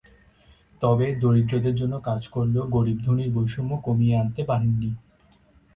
তবে দরিদ্রদের জন্য কাজ করলেও গরিব-ধনীর বৈষম্য কমিয়ে আনতে পারেননি।